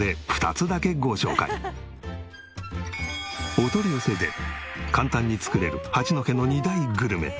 お取り寄せで簡単に作れる八戸の２大グルメ。